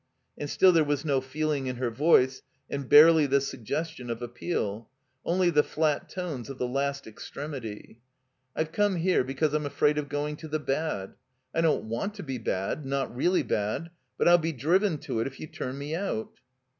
And still there was no feeling in her voice, and barely the suggestion of appeal; only the flat tones of the last extremity. "I've come here because I'm afraid of going to the bad. I don't want to be bad — ^not redly bad. But I'll be driven to it if you turn me out."